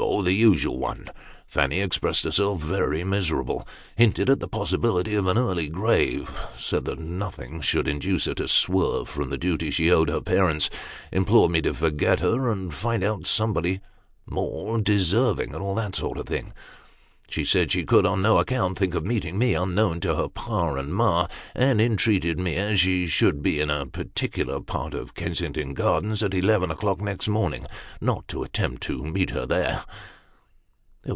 " Oh, the usual one ! Fanny expressed herself very miserable ; hinted at the possibility of an early grave ; said that nothing should induce her to swerve from the duty she owed her parents ; implored me to forget her, and find out somebody more deserving, and all that sort of thing. She said she could, on no account, think of meeting me unknown to her pa and ma ; and entreated me, as she should be in a particular part of Kensington Gardens at eleven o'clock next morning, not to attempt to meet her there."